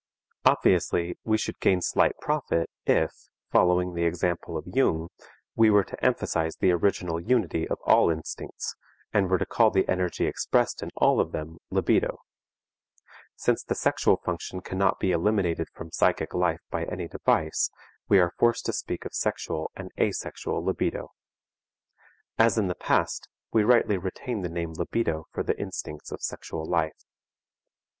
Obviously, we should gain slight profit if, following the example of Jung, we were to emphasize the original unity of all instincts, and were to call the energy expressed in all of them "libido." Since the sexual function cannot be eliminated from psychic life by any device, we are forced to speak of sexual and asexual libido. As in the past, we rightly retain the name libido for the instincts of sexual life.